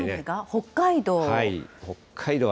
北海道？